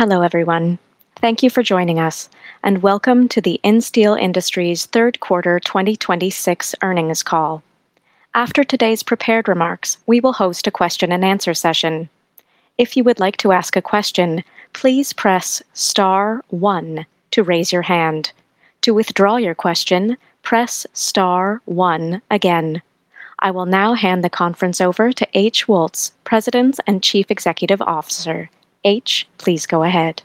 Hello, everyone. Thank you for joining us, and welcome to the Insteel Industries third quarter 2026 earnings call. After today's prepared remarks, we will host a question and answer session. If you would like to ask a question, please press star one to raise your hand. To withdraw your question, press star one again. I will now hand the conference over to H. Woltz, President and Chief Executive Officer. H., please go ahead.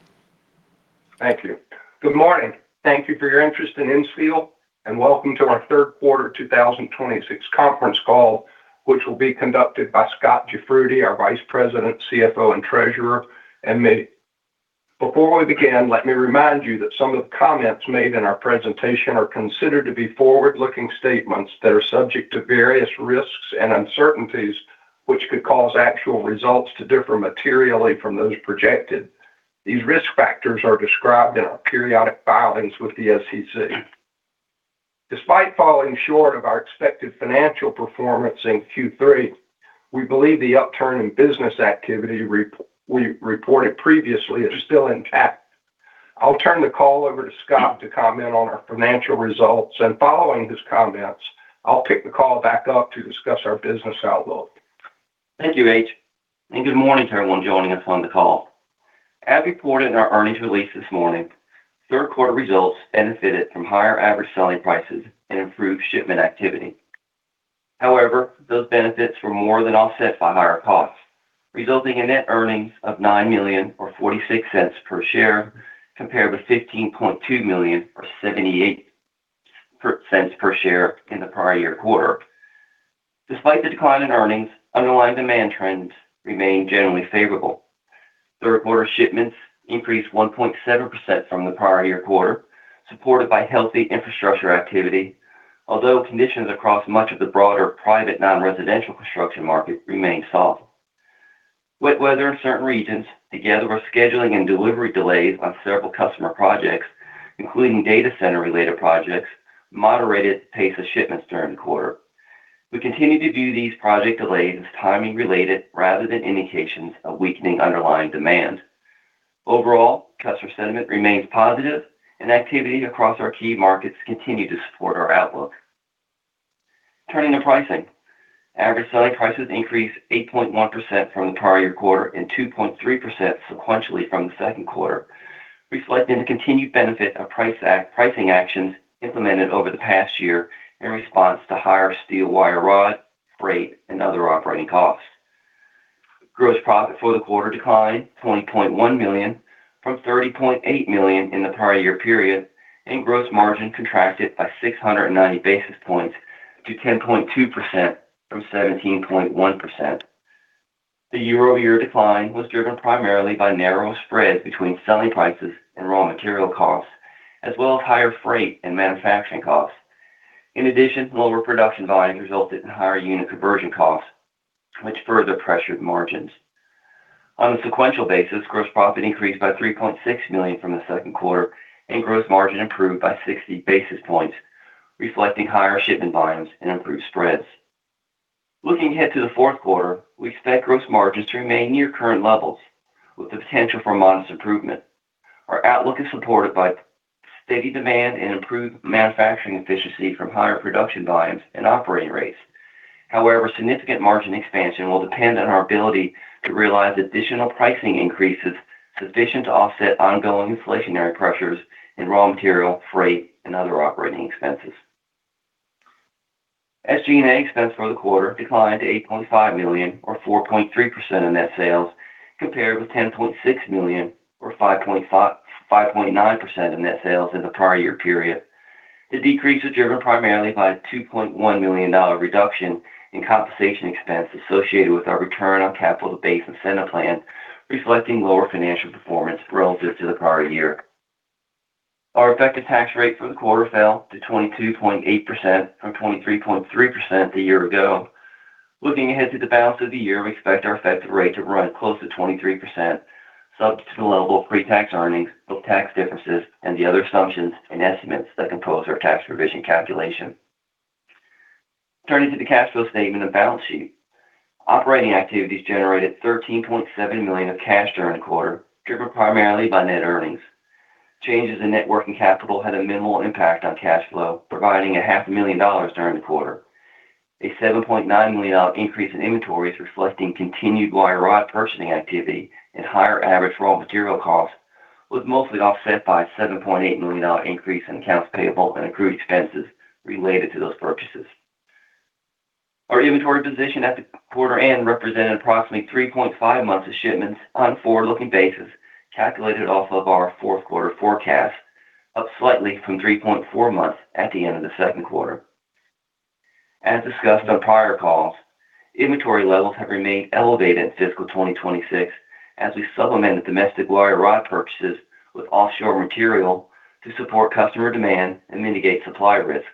Thank you. Good morning. Thank you for your interest in Insteel, and welcome to our third quarter 2026 conference call, which will be conducted by Scot Jafroodi, our Vice President, CFO, and Treasurer, and me. Before we begin, let me remind you that some of the comments made in our presentation are considered to be forward-looking statements that are subject to various risks and uncertainties, which could cause actual results to differ materially from those projected. These risk factors are described in our periodic filings with the SEC. Despite falling short of our expected financial performance in Q3, we believe the upturn in business activity we reported previously is still intact. I'll turn the call over to Scot to comment on our financial results, and following his comments, I'll pick the call back up to discuss our business outlook. Thank you, H. Good morning to everyone joining us on the call. As reported in our earnings release this morning, third quarter results benefited from higher average selling prices and improved shipment activity. However, those benefits were more than offset by higher costs, resulting in net earnings of $9 million or $0.46 per share compared with $15.2 million or $0.78 per share in the prior year quarter. Despite the decline in earnings, underlying demand trends remain generally favorable. Third quarter shipments increased 1.7% from the prior year quarter, supported by healthy infrastructure activity. Although conditions across much of the broader private non-residential construction market remain soft. Wet weather in certain regions, together with scheduling and delivery delays on several customer projects, including data center-related projects, moderated the pace of shipments during the quarter. We continue to view these project delays as timing related rather than indications of weakening underlying demand. Overall, customer sentiment remains positive and activity across our key markets continue to support our outlook. Turning to pricing. Average selling prices increased 8.1% from the prior year quarter and 2.3% sequentially from the second quarter, reflecting the continued benefit of pricing actions implemented over the past year in response to higher steel wire rod, freight, and other operating costs. Gross profit for the quarter declined to $20.1 million from $30.8 million in the prior year period, and gross margin contracted by 690 basis points to 10.2% from 17.1%. The year-over-year decline was driven primarily by narrower spreads between selling prices and raw material costs, as well as higher freight and manufacturing costs. In addition, lower production volumes resulted in higher unit conversion costs, which further pressured margins. On a sequential basis, gross profit increased by $3.6 million from the second quarter, and gross margin improved by 60 basis points, reflecting higher shipment volumes and improved spreads. Looking ahead to the fourth quarter, we expect gross margins to remain near current levels with the potential for modest improvement. Our outlook is supported by steady demand and improved manufacturing efficiency from higher production volumes and operating rates. However, significant margin expansion will depend on our ability to realize additional pricing increases sufficient to offset ongoing inflationary pressures in raw material, freight, and other operating expenses. SG&A expense for the quarter declined to $8.5 million or 4.3% of net sales compared with $10.6 million or 5.9% of net sales in the prior year period. The decrease was driven primarily by a $2.1 million reduction in compensation expense associated with our return on capital based incentive plan, reflecting lower financial performance relative to the prior year. Our effective tax rate for the quarter fell to 22.8% from 23.3% a year ago. Looking ahead to the balance of the year, we expect our effective rate to run close to 23% subject to the level of pre-tax earnings, both tax differences and the other assumptions and estimates that compose our tax provision calculation. Turning to the cash flow statement and balance sheet. Operating activities generated $13.7 million of cash during the quarter, driven primarily by net earnings. Changes in net working capital had a minimal impact on cash flow, providing a $500,000 during the quarter. A $7.9 million increase in inventories reflecting continued wire rod purchasing activity and higher average raw material costs was mostly offset by a $7.8 million increase in accounts payable and accrued expenses related to those purchases. Our inventory position at the quarter end represented approximately 3.5 months of shipments on a forward-looking basis, calculated off of our fourth quarter forecast, up slightly from 3.4 months at the end of the second quarter. As discussed on prior calls, inventory levels have remained elevated in fiscal 2026 as we supplemented domestic wire rod purchases with offshore material to support customer demand and mitigate supply risk.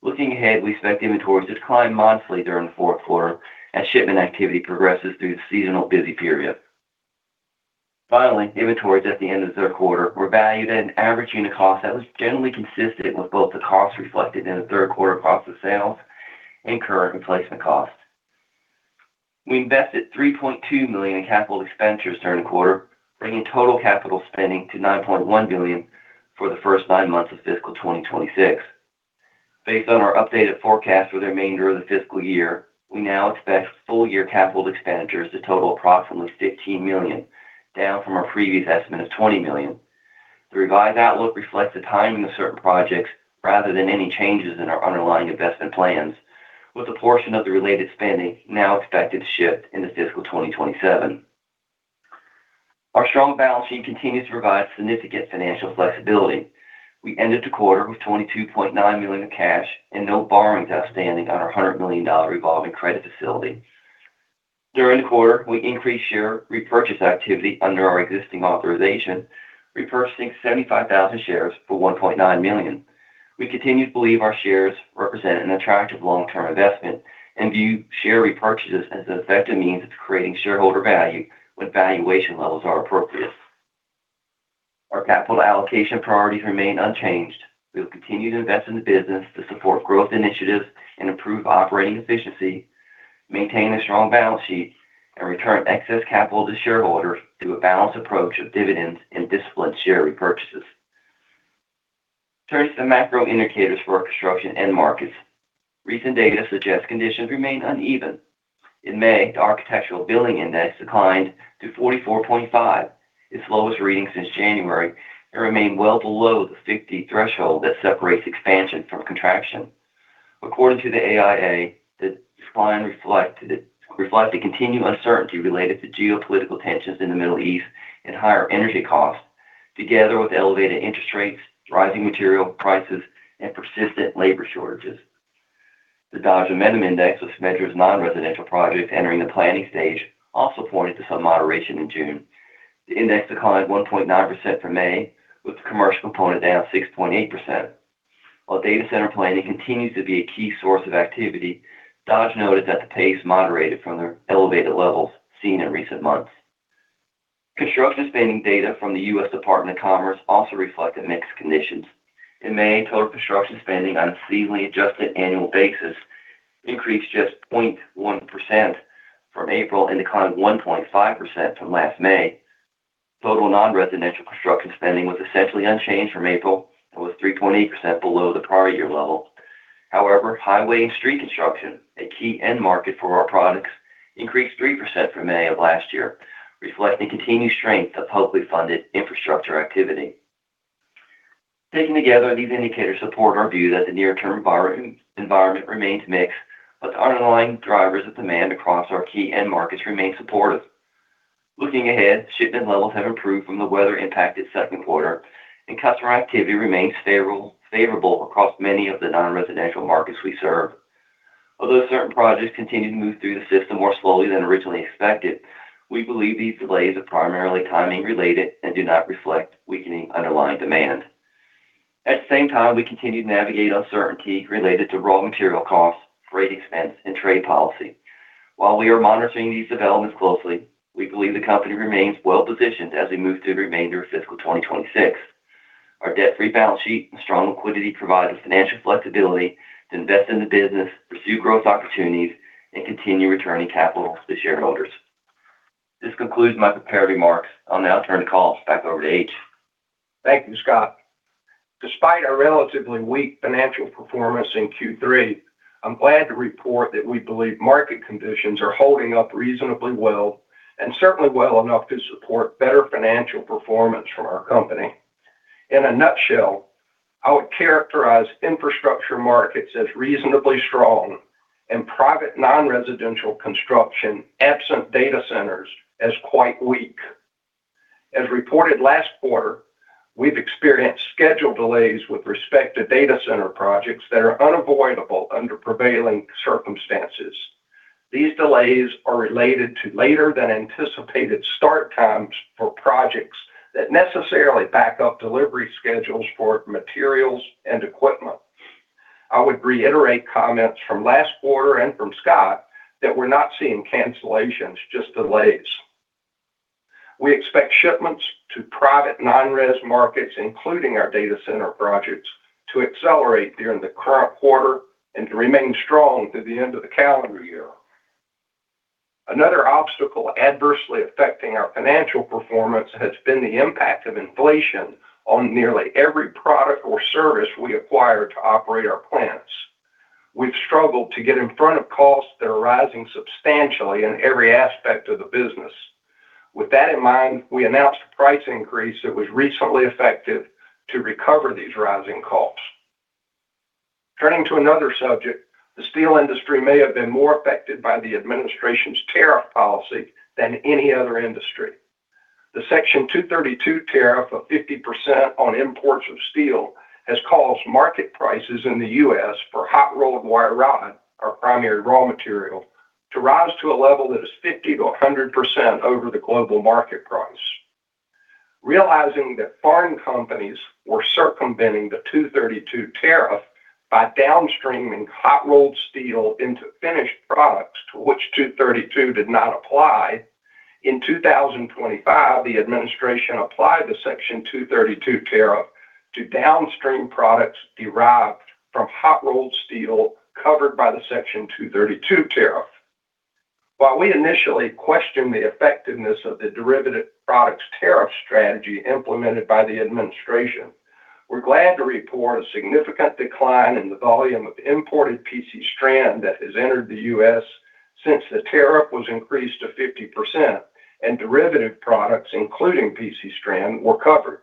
Looking ahead, we expect inventories to decline monthly during the fourth quarter as shipment activity progresses through the seasonal busy period. Finally, inventories at the end of the third quarter were valued at an average unit cost that was generally consistent with both the cost reflected in the third quarter cost of sales and current replacement costs. We invested $3.2 million in capital expenditures during the quarter, bringing total capital spending to $9.1 million for the first nine months of fiscal 2026. Based on our updated forecast for the remainder of the fiscal year, we now expect full-year capital expenditures to total approximately $15 million, down from our previous estimate of $20 million. The revised outlook reflects the timing of certain projects rather than any changes in our underlying investment plans, with a portion of the related spending now expected to shift into fiscal 2027. Our strong balance sheet continues to provide significant financial flexibility. We ended the quarter with $22.9 million of cash and no borrowings outstanding on our $100 million revolving credit facility. During the quarter, we increased share repurchase activity under our existing authorization, repurchasing 75,000 shares for $1.9 million. We continue to believe our shares represent an attractive long-term investment and view share repurchases as an effective means of creating shareholder value when valuation levels are appropriate. Our capital allocation priorities remain unchanged. We will continue to invest in the business to support growth initiatives and improve operating efficiency, maintain a strong balance sheet, and return excess capital to shareholders through a balanced approach of dividends and disciplined share repurchases. Turning to the macro indicators for our construction end markets. Recent data suggests conditions remain uneven. In May, the Architecture Billings Index declined to 44.5, its lowest reading since January, and remained well below the 50 threshold that separates expansion from contraction. According to the AIA, the decline reflects the continued uncertainty related to geopolitical tensions in the Middle East and higher energy costs together with elevated interest rates, rising material prices, and persistent labor shortages. The Dodge Momentum Index of [Smedgers] non-residential projects entering the planning stage also pointed to some moderation in June. The index declined 1.9% from May, with the commercial component down 6.8%. While data center planning continues to be a key source of activity, Dodge noted that the pace moderated from their elevated levels seen in recent months. Construction spending data from the U.S. Department of Commerce also reflected mixed conditions. In May, total construction spending on a seasonally adjusted annual basis increased just 0.1% from April and declined 1.5% from last May. Total non-residential construction spending was essentially unchanged from April and was 3.8% below the prior year level. However, highway and street construction, a key end market for our products, increased 3% from May of last year, reflecting continued strength of publicly funded infrastructure activity. Taken together, these indicators support our view that the near-term environment remains mixed, but the underlying drivers of demand across our key end markets remain supportive. Looking ahead, shipment levels have improved from the weather-impacted second quarter, and customer activity remains favorable across many of the non-residential markets we serve. Although certain projects continue to move through the system more slowly than originally expected, we believe these delays are primarily timing related and do not reflect weakening underlying demand. At the same time, we continue to navigate uncertainty related to raw material costs, freight expense, and trade policy. While we are monitoring these developments closely, we believe the company remains well-positioned as we move through the remainder of fiscal 2026. Our debt-free balance sheet and strong liquidity provide us financial flexibility to invest in the business, pursue growth opportunities, and continue returning capital to shareholders. This concludes my prepared remarks. I'll now turn the call back over to H. Thank you, Scot. Despite our relatively weak financial performance in Q3, I'm glad to report that we believe market conditions are holding up reasonably well and certainly well enough to support better financial performance from our company. In a nutshell, I would characterize infrastructure markets as reasonably strong and private non-residential construction, absent data centers, as quite weak. As reported last quarter, we've experienced schedule delays with respect to data center projects that are unavoidable under prevailing circumstances. These delays are related to later than anticipated start times for projects that necessarily back up delivery schedules for materials and equipment. I would reiterate comments from last quarter and from Scot that we're not seeing cancellations, just delays. We expect shipments to private non-res markets, including our data center projects, to accelerate during the current quarter and to remain strong through the end of the calendar year. Another obstacle adversely affecting our financial performance has been the impact of inflation on nearly every product or service we acquire to operate our plants. We've struggled to get in front of costs that are rising substantially in every aspect of the business. With that in mind, we announced a price increase that was recently effective to recover these rising costs. Turning to another subject, the steel industry may have been more affected by the administration's tariff policy than any other industry. The Section 232 tariff of 50% on imports of steel has caused market prices in the U.S. for hot-rolled wire rod, our primary raw material, to rise to a level that is 50%-100% over the global market price. Realizing that foreign companies were circumventing the 232 tariff by downstreaming hot-rolled steel into finished products to which 232 did not apply. In 2025, the administration applied the Section 232 tariff to downstream products derived from hot-rolled steel covered by the Section 232 tariff. While we initially questioned the effectiveness of the derivative products tariff strategy implemented by the administration, we're glad to report a significant decline in the volume of imported PC strand that has entered the U.S. since the tariff was increased to 50%, and derivative products, including PC strand, were covered.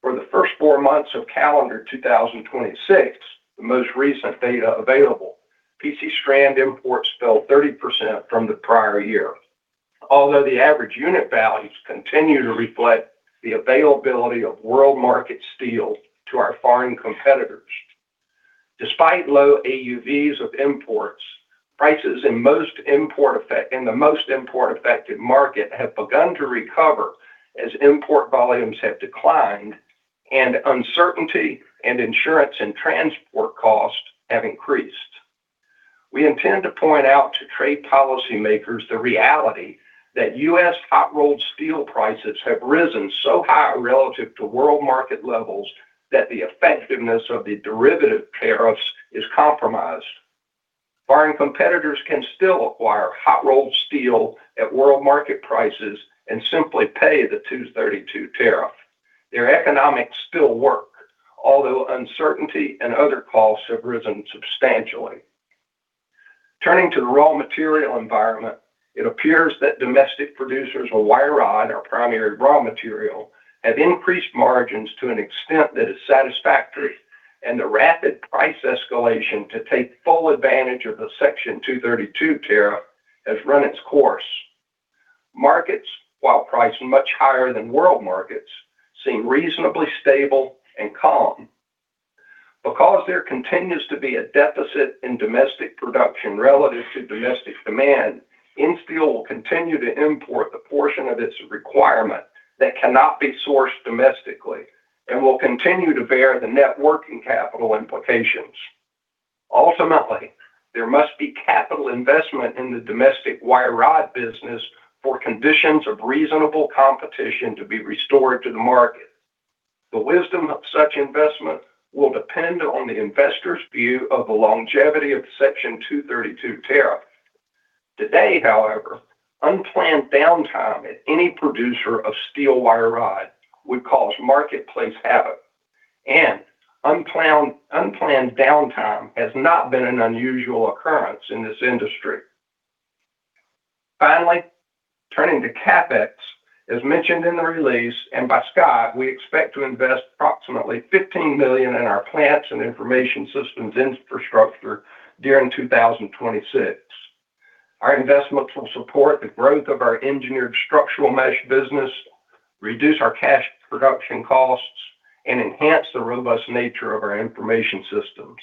For the first four months of calendar 2026, the most recent data available, PC strand imports fell 30% from the prior year, although the average unit values continue to reflect the availability of world market steel to our foreign competitors. Despite low AUVs of imports, prices in the most import-affected market have begun to recover as import volumes have declined and uncertainty in insurance and transport cost have increased. We intend to point out to trade policymakers the reality that U.S. hot-rolled steel prices have risen so high relative to world market levels that the effectiveness of the derivative tariffs is compromised. Foreign competitors can still acquire hot-rolled steel at world market prices and simply pay the 232 tariff. Their economics still work, although uncertainty and other costs have risen substantially. Turning to the raw material environment, it appears that domestic producers of wire rod, our primary raw material, have increased margins to an extent that is satisfactory, and the rapid price escalation to take full advantage of the Section 232 tariff has run its course. Markets, while priced much higher than world markets, seem reasonably stable and calm. Because there continues to be a deficit in domestic production relative to domestic demand, Insteel will continue to import the portion of its requirement that cannot be sourced domestically and will continue to bear the net working capital implications. Ultimately, there must be capital investment in the domestic wire rod business for conditions of reasonable competition to be restored to the market. The wisdom of such investment will depend on the investor's view of the longevity of the Section 232 tariff. Today, however, unplanned downtime at any producer of steel wire rod would cause marketplace havoc, and unplanned downtime has not been an unusual occurrence in this industry. Finally, turning to CapEx, as mentioned in the release and by Scot, we expect to invest approximately $15 million in our plants and information systems infrastructure during 2026. Our investments will support the growth of our engineered structural mesh business, reduce our cash production costs, and enhance the robust nature of our information systems.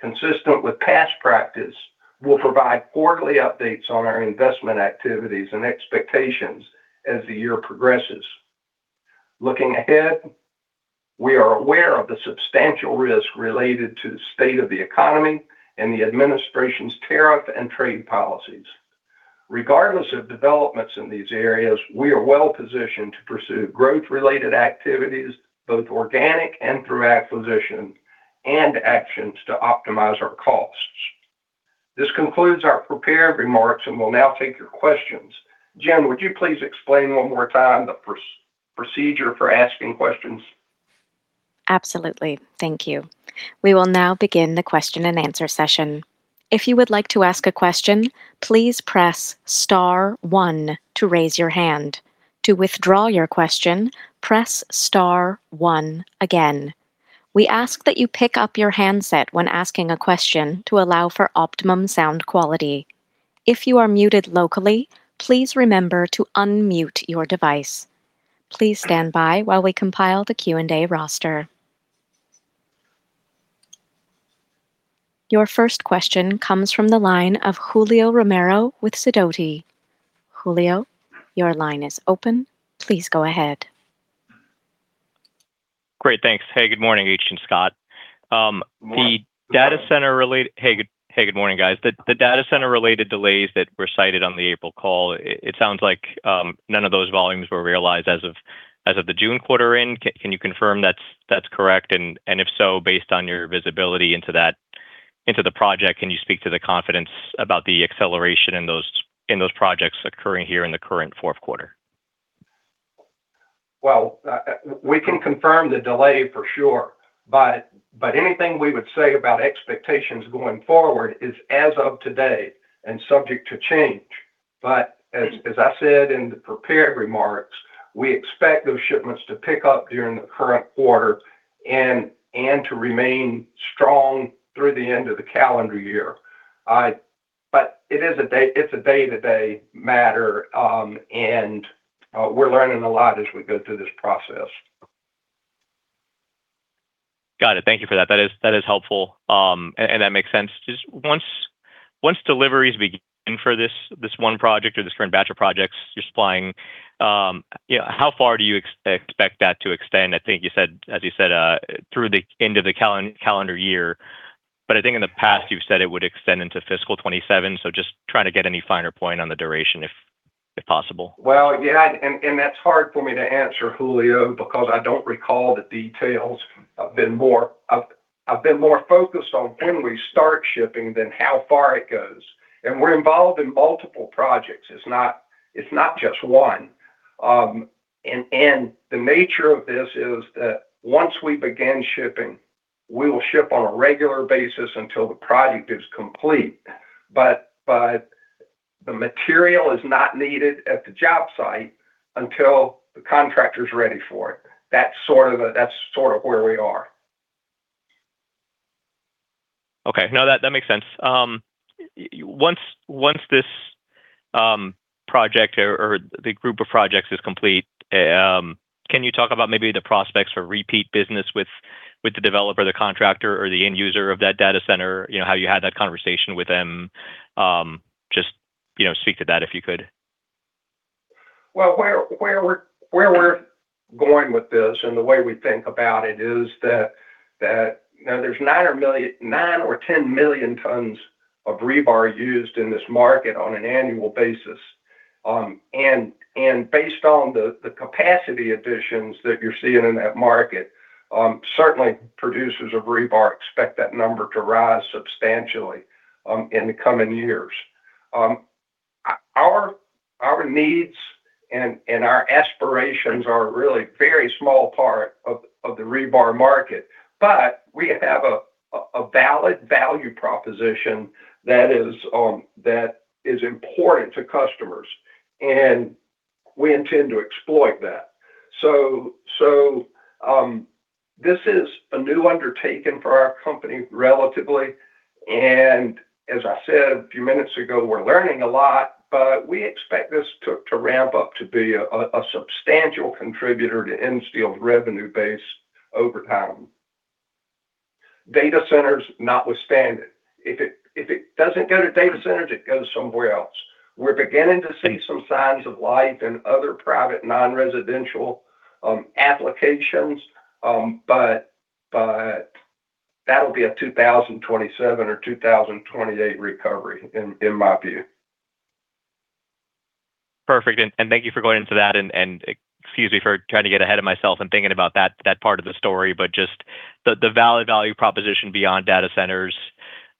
Consistent with past practice, we'll provide quarterly updates on our investment activities and expectations as the year progresses. Looking ahead, we are aware of the substantial risk related to the state of the economy and the administration's tariff and trade policies. Regardless of developments in these areas, we are well-positioned to pursue growth-related activities, both organic and through acquisition, and actions to optimize our costs. This concludes our prepared remarks, and we'll now take your questions. Jen, would you please explain one more time the procedure for asking questions? Absolutely. Thank you. We will now begin the question and answer session. If you would like to ask a question, please press star one to raise your hand. To withdraw your question, press star one again. We ask that you pick up your handset when asking a question to allow for optimum sound quality. If you are muted locally, please remember to unmute your device. Please stand by while we compile the Q&A roster. Your first question comes from the line of Julio Romero with Sidoti. Julio, your line is open. Please go ahead. Great. Thanks. Hey, good morning, H. and Scot. Morning. Hey, good morning, guys. The data center related delays that were cited on the April call, it sounds like none of those volumes were realized as of the June quarter in. Can you confirm that's correct? If so, based on your visibility into the project, can you speak to the confidence about the acceleration in those projects occurring here in the current fourth quarter? Well, we can confirm the delay for sure, but anything we would say about expectations going forward is as of today and subject to change. As I said in the prepared remarks, we expect those shipments to pick up during the current quarter and to remain strong through the end of the calendar year. It's a day-to-day matter, and we're learning a lot as we go through this process. Got it. Thank you for that. That is helpful, and that makes sense. Just once deliveries begin for this one project or this current batch of projects you're supplying, how far do you expect that to extend? I think as you said through the end of the calendar year. I think in the past, you've said it would extend into fiscal 2027, so just trying to get any finer point on the duration if possible. Well, yeah, that's hard for me to answer, Julio, because I don't recall the details. I've been more focused on when we start shipping than how far it goes. We're involved in multiple projects. It's not just one. The nature of this is that once we begin shipping, we will ship on a regular basis until the project is complete. The material is not needed at the job site until the contractor's ready for it. That's sort of where we are. Okay. No, that makes sense. Once this project or the group of projects is complete, can you talk about maybe the prospects for repeat business with the developer, the contractor, or the end user of that data center? How you had that conversation with them? Just speak to that, if you could. Well, where we're going with this, and the way we think about it is that now there's 9 million or 10 million tons of rebar used in this market on an annual basis. Based on the capacity additions that you're seeing in that market, certainly producers of rebar expect that number to rise substantially in the coming years. Our needs and our aspirations are a really very small part of the rebar market. We have a valid value proposition that is important to customers, and we intend to exploit that. This is a new undertaking for our company, relatively. As I said a few minutes ago, we're learning a lot, but we expect this to ramp up to be a substantial contributor to Insteel's revenue base over time. Data centers notwithstanding. If it doesn't go to data centers, it goes somewhere else. We're beginning to see some signs of life in other private, non-residential applications, but that'll be a 2027 or 2028 recovery, in my view. Perfect, thank you for going into that, and excuse me for trying to get ahead of myself and thinking about that part of the story, but just the valid value proposition beyond data centers,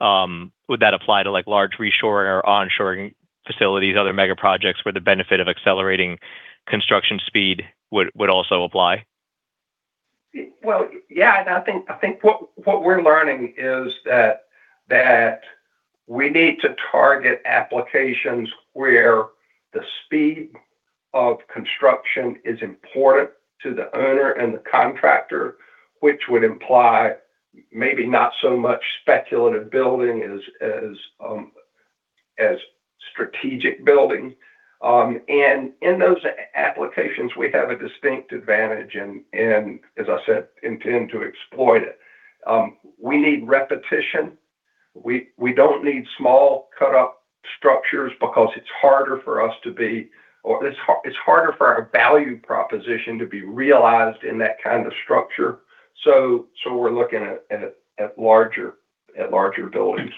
would that apply to large reshoring or onshoring facilities, other mega projects where the benefit of accelerating construction speed would also apply? Well, yeah. I think what we're learning is that we need to target applications where the speed of construction is important to the owner and the contractor, which would imply maybe not so much speculative building as strategic building. In those applications, we have a distinct advantage and as I said, intend to exploit it. We need repetition. We don't need small cut-up structures because it's harder for our value proposition to be realized in that kind of structure. We're looking at larger buildings.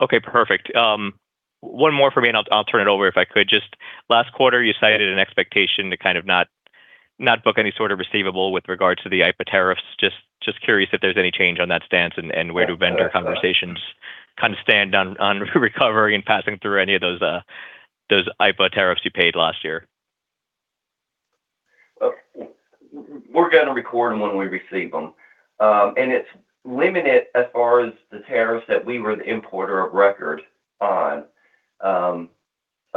Okay, perfect. One more from me, and I'll turn it over, if I could. Just last quarter, you cited an expectation to kind of not book any sort of receivable with regards to the IEEPA tariffs. Just curious if there's any change on that stance and where vendor conversations kind of stand on recovering and passing through any of those IEEPA tariffs you paid last year. We're going to record them when we receive them. It's limited as far as the tariffs that we were the importer of record on. A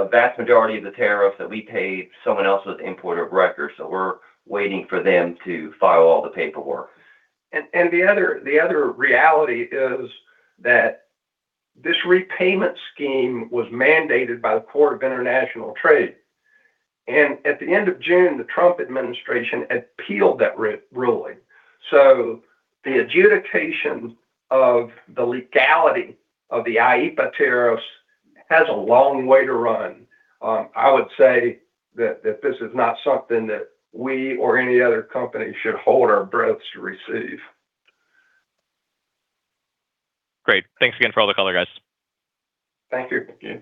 vast majority of the tariffs that we paid, someone else was the importer of record, we're waiting for them to file all the paperwork. The other reality is that this repayment scheme was mandated by the Court of International Trade. At the end of June, the Trump administration appealed that ruling. The adjudication of the legality of the IEEPA tariffs has a long way to run. I would say that this is not something that we or any other company should hold our breaths to receive. Great. Thanks again for all the color, guys. Thank you. Thank you.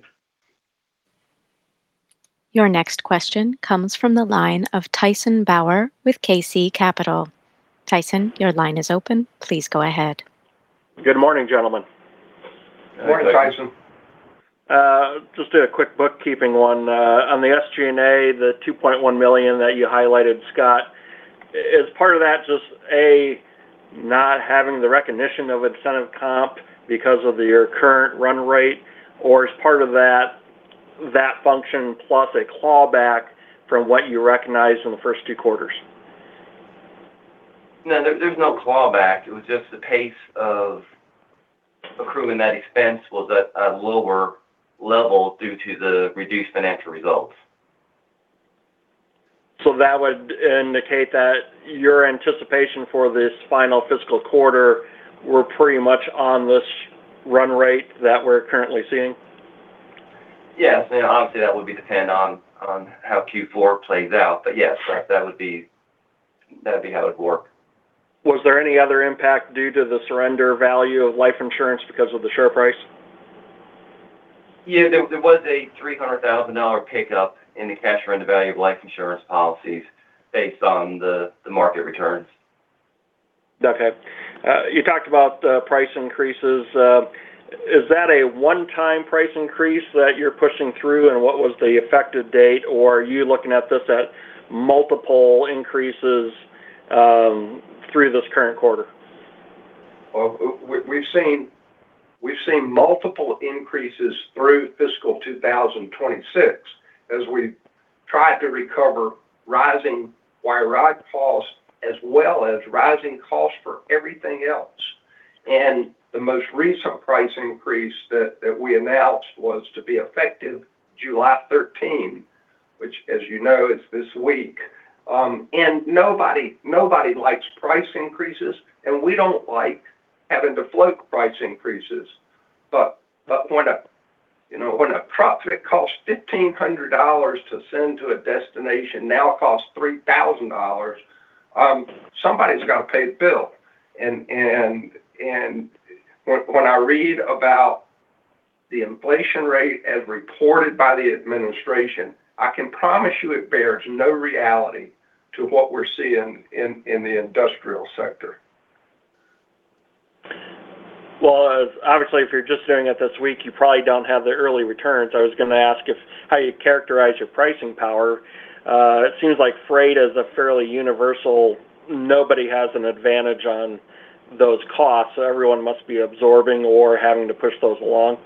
Your next question comes from the line of Tyson Bauer with KC Capital. Tyson, your line is open. Please go ahead. Good morning, gentlemen. Morning, Tyson. Hi, Tyson. Just a quick bookkeeping one. On the SG&A, the $2.1 million that you highlighted, Scot, is part of that just not having the recognition of incentive comp because of your current run rate, or is part of that function plus a clawback from what you recognized in the first two quarters? No, there's no clawback. It was just the pace of accruing that expense was at a lower level due to the reduced financial results. That would indicate that your anticipation for this final fiscal quarter, we're pretty much on this run rate that we're currently seeing? Yes. Obviously, that would be dependent on how Q4 plays out. Yes, that would be how it would work. Was there any other impact due to the surrender value of life insurance because of the share price? Yeah, there was a $300,000 pickup in the cash surrender value of life insurance policies based on the market returns. Okay. You talked about price increases. Is that a one-time price increase that you're pushing through, what was the effective date? Are you looking at this at multiple increases through this current quarter? We've seen multiple increases through fiscal 2026 as we've tried to recover rising wire rod costs, as well as rising costs for everything else. The most recent price increase that we announced was to be effective July 13, which, as you know, is this week. Nobody likes price increases, and we don't like having to float price increases. When a product costs $1,500 to send to a destination, now costs $3,000, somebody's got to pay the bill. When I read about the inflation rate as reported by the administration, I can promise you it bears no reality to what we're seeing in the industrial sector. Well, obviously, if you're just doing it this week, you probably don't have the early returns. I was going to ask how you characterize your pricing power. It seems like freight is a fairly universal, nobody has an advantage on those costs, everyone must be absorbing or having to push those along.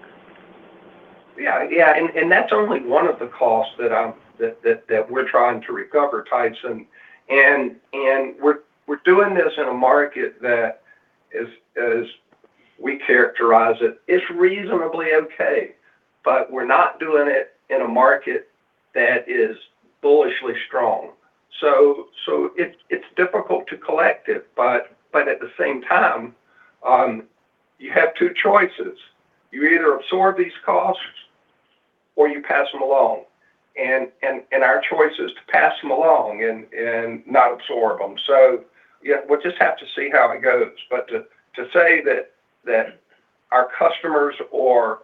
Yeah. That's only one of the costs that we're trying to recover, Tyson. We're doing this in a market that is, as we characterize it's reasonably okay, but we're not doing it in a market that is bullishly strong. It's difficult to collect it. At the same time, you have two choices. You either absorb these costs or you pass them along, and our choice is to pass them along and not absorb them. Yeah, we'll just have to see how it goes. But to say that our customers or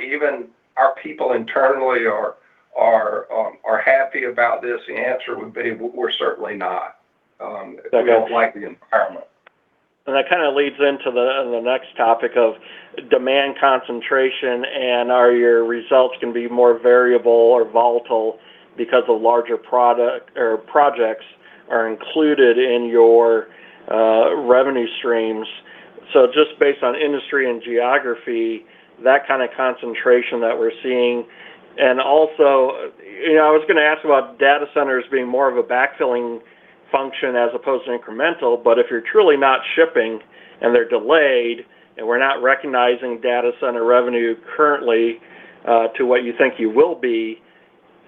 even our people internally are happy about this, the answer would be we're certainly not. We don't like the environment. That kind of leads into the next topic of demand concentration and are your results going to be more variable or volatile because the larger projects are included in your revenue streams. Just based on industry and geography, that kind of concentration that we're seeing. Also, I was going to ask about data centers being more of a backfilling function as opposed to incremental, but if you're truly not shipping and they're delayed, and we're not recognizing data center revenue currently, to what you think you will be,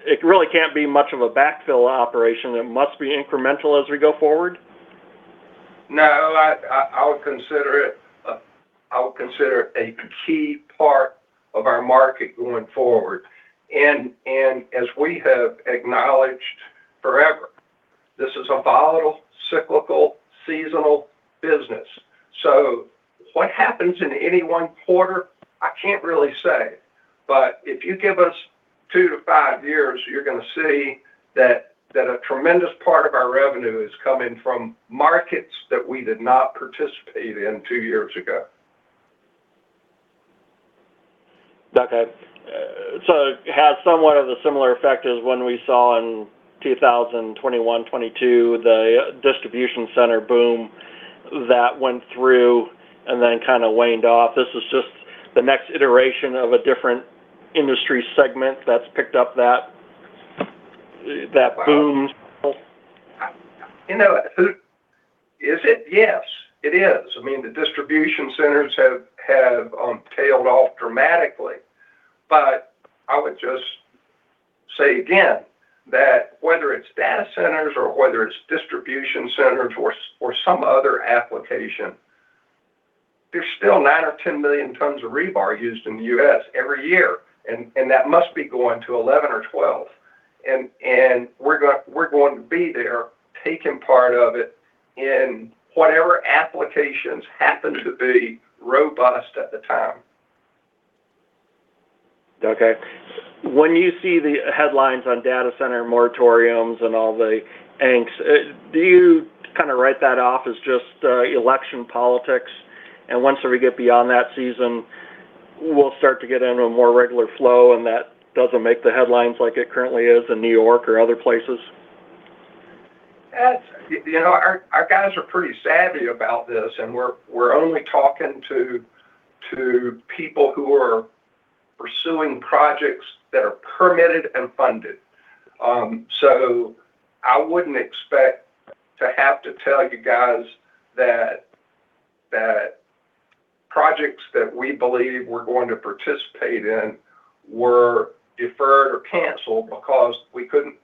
it really can't be much of a backfill operation. It must be incremental as we go forward? No, I would consider it a key part of our market going forward. As we have acknowledged forever, this is a volatile, cyclical, seasonal business. What happens in any one quarter, I can't really say, but if you give us two to five years, you're going to see that a tremendous part of our revenue is coming from markets that we did not participate in two years ago. It has somewhat of a similar effect as when we saw in 2021, 2022, the distribution center boom that went through and then kind of waned off. This is just the next iteration of a different industry segment that's picked up that boom. Is it? Yes, it is. I mean, the distribution centers have tailed off dramatically, but I would just say again that whether it's data centers or whether it's distribution centers or some other application, there's still 9 million or 10 million tons of rebar used in the U.S. every year, and that must be going to 11 million or 12 million tons, and we're going to be there taking part of it in whatever applications happen to be robust at the time. Okay. When you see the headlines on data center moratoriums and all the angst, do you kind of write that off as just election politics and once we get beyond that season, we'll start to get into a more regular flow, and that doesn't make the headlines like it currently is in N.Y. or other places? Our guys are pretty savvy about this, we're only talking to people who are pursuing projects that are permitted and funded. I wouldn't expect to have to tell you guys that projects that we believe we're going to participate in were deferred or canceled because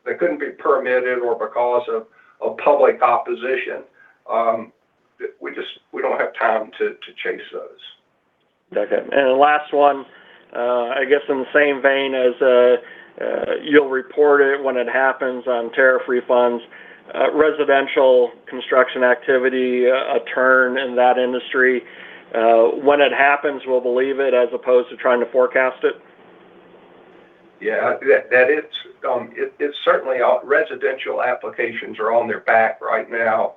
they couldn't be permitted or because of public opposition. We don't have time to chase those. Okay. The last one, I guess in the same vein as you'll report it when it happens on tariff refunds, residential construction activity, a turn in that industry. When it happens, we'll believe it as opposed to trying to forecast it? Yeah. Certainly, residential applications are on their back right now.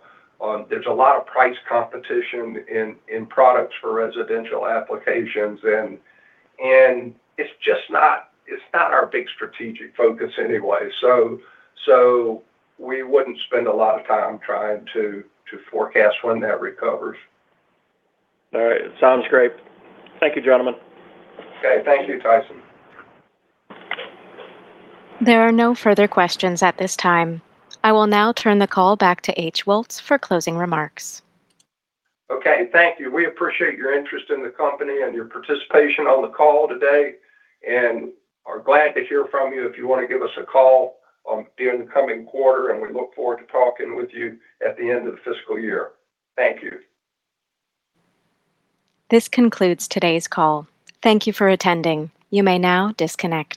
There's a lot of price competition in products for residential applications, and it's not our big strategic focus anyway, so we wouldn't spend a lot of time trying to forecast when that recovers. All right. Sounds great. Thank you, gentlemen. Okay. Thank you, Tyson. There are no further questions at this time. I will now turn the call back to H. Woltz for closing remarks. Okay. Thank you. We appreciate your interest in the company and your participation on the call today, and are glad to hear from you if you want to give us a call during the coming quarter, and we look forward to talking with you at the end of the fiscal year. Thank you. This concludes today's call. Thank you for attending. You may now disconnect.